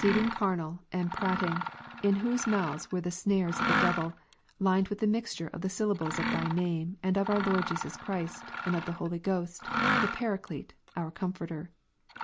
cecding carnal and prating, in whose mouths were the snares ^^" of the Devil, limed with the mixture of the syllables of Thy name, and of our Lord Jesus Christ, and of the Holy Ghost, the Paraclete, our Comforter.